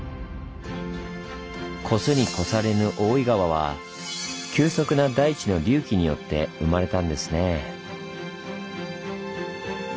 越すに越されぬ大井川は急速な大地の隆起によって生まれたんですねぇ。